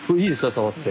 触って。